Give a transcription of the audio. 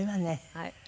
はい。